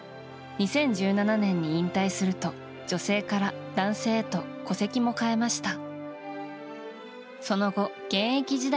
２０１７年に引退すると女性から男性へと戸籍も変えました。